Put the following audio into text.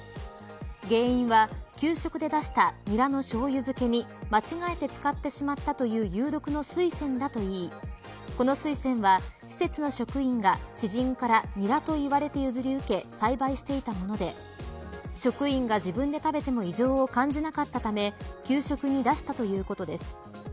原因は、給食で出したニラのしょうゆ漬けに間違えて使ってしまったという有毒のスイセンだといいこのスイセンは施設の職員が知人からニラと言われていて栽培していたもので職員が自分で食べても異常を感じなかったため給食に出したということです。